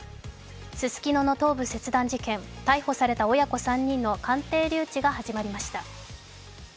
ススキノの頭部切断事件、逮捕された親子３人の鑑定留置が始まりました。